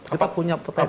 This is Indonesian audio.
kita punya potensi